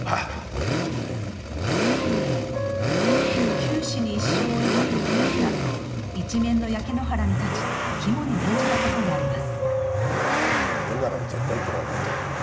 九死に一生を得た翌朝一面の焼け野原に立ち肝に銘じたことがあります。